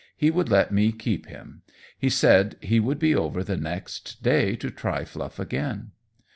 He would let me keep him. He said he would be over the next day to try Fluff again.